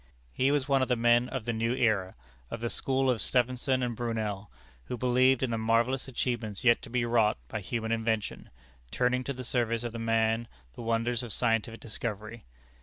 He was one of the men of the new era of the school of Stephenson and Brunel who believed in the marvellous achievements yet to be wrought by human invention, turning to the service of man the wonders of scientific discovery.